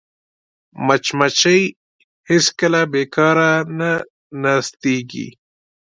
مچمچۍ هېڅکله بیکاره نه ناستېږي